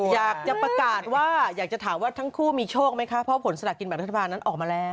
อยากจะประกาศว่าอยากจะถามว่าทั้งคู่มีโชคไหมคะเพราะผลสลักกินแบบรัฐบาลนั้นออกมาแล้ว